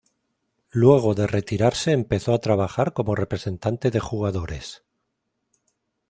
Luego de retirarse empezó a trabajar como representante de jugadores.